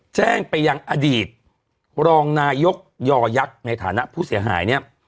แจ้งไปยังอดีตรองนายกยอยักษ์ในฐานะผู้เสียหายเนี่ย